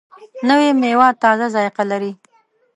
نوې میوه تازه ذایقه لري